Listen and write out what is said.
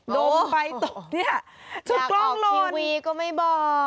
ดมไปตกนี่ชุดกล้องลนอยากออกทีวีก็ไม่บอก